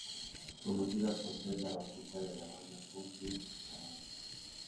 Conocida por ser la bajista de la banda de Punk Blues Caballo.